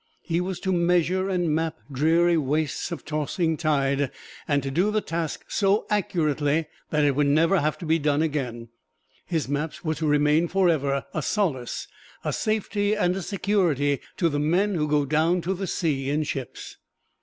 He was to measure and map dreary wastes of tossing tide, and to do the task so accurately that it would never have to be done again: his maps were to remain forever a solace, a safety and a security to the men who go down to the sea in ships.